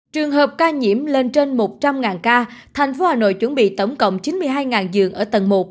trường hợp ca nhiễm lên trên một trăm linh ca thành phố hà nội chuẩn bị tổng cộng chín mươi hai giường ở tầng một